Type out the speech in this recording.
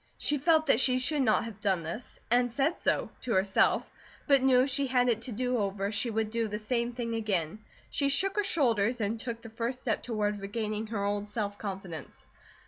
She felt that she should not have done this, and said so, to herself; but knew if she had it to do over, she would do the same thing again. She shook her shoulders and took the first step toward regaining her old self confidence.